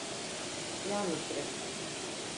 Yalnız bırakın.